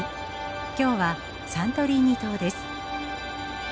今日はサントリーニ島です。